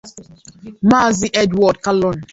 Maazị Edward Kallon